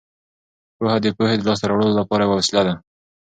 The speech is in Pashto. پوهه د پوهې د لاسته راوړلو لپاره یوه وسیله ده.